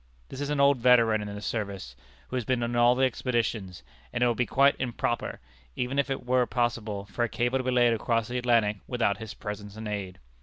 This is an old veteran in the service, who has been in all the expeditions, and it would be quite "improper," even if it were possible, for a cable to be laid across the Atlantic without his presence and aid.